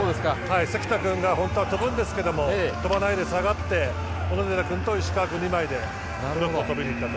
関田君が本当は跳ぶんですけども跳ばないで下がって小野寺君と石川君２枚でブロックを止めにいったと。